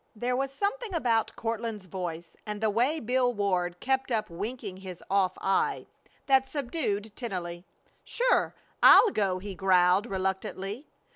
There was something about Courtland's voice, and the way Bill Ward kept up winking his off eye, that subdued Tennelly. "Sure, I'll go," he growled, reluctantly.